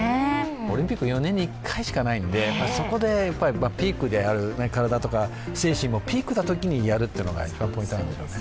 オリンピックは４年に１回しかないので、そこでピークである体とか、精神もピークのときにやるというのがポイントなんでしょうね。